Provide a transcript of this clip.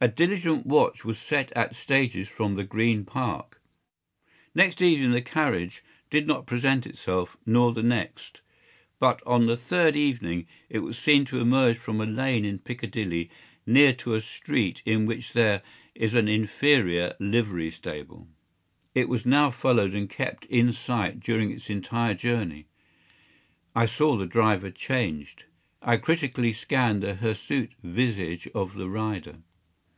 A diligent watch was set at stages from the Green Park to ——. Next evening the carriage did not present itself, nor the next; but on the third evening it was seen to emerge from a lane in Piccadilly, near to a street in which there is an inferior livery stable. It was now followed and kept in sight during its entire journey. I saw the driver changed. I critically scanned the hirsute visage of the rider.